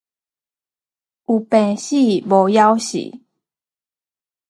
有病死，無餓死